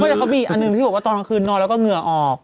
แต่เขามีอีกอันหนึ่งที่บอกว่าตอนกลางคืนนอนแล้วก็เหงื่อออก